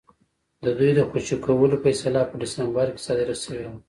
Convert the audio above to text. د دوی د خوشي کولو فیصله په ډسمبر کې صادره شوې وه.